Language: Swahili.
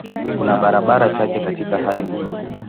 Kuna barabara chache katika hali nzuri.